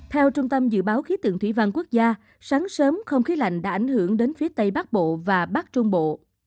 theo trung tâm dự báo khí tượng thủy văn quốc gia sáng sớm không khí lạnh đã ảnh hưởng đến phía tây bắc bộ và bắc trung bộ